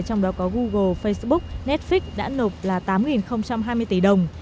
trong đó có google facebook netflix đã nộp là tám hai mươi tỷ đồng